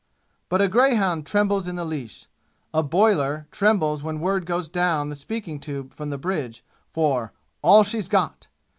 But a greyhound trembles in the leash. A boiler, trembles when word goes down the speaking tube from the bridge for "all she's got."